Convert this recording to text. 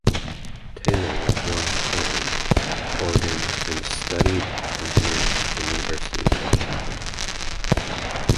Taylor was born in Portland, Oregon and studied engineering at the University of Washington.